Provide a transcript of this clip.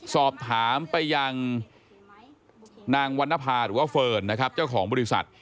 สอบถามไปยังนางวันนภาหรือว่าเฟิร์นนะครับเจ้าของบริษัท